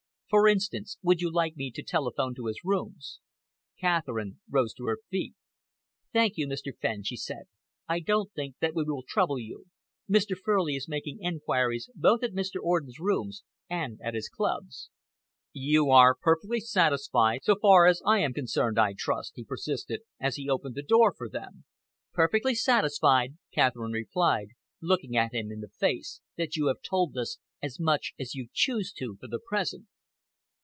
For instance, would you like me to telephone to his rooms?" Catherine rose to her feet. "Thank you, Mr. Fenn," she said, "I don't think that we will trouble you. Mr. Furley is making enquiries both at Mr. Orden's rooms and at his clubs." "You are perfectly satisfied, so far as I am concerned, I trust?" he persisted, as he opened the door for them. "Perfectly satisfied," Catherine replied, looking him in the face, "that you have told us as much as you choose to for the present."